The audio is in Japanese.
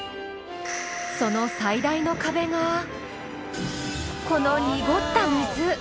その最大の壁がこの濁った水。